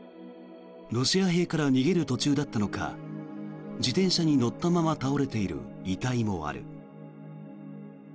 ロシア兵から逃げる途中だったのか自転車に乗ったまま倒れている遺体もある。